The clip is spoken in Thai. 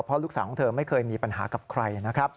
เพราะลูกสาวของเธอไม่เคยมีปัญหากับใครนะครับ